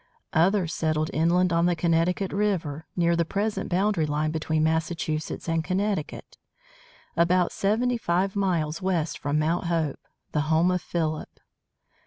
Others settled inland on the Connecticut River, near the present boundary line between Massachusetts and Connecticut, about seventy five miles west from Mount Hope, the home of Philip.